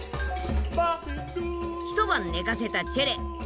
一晩寝かせたチェレ。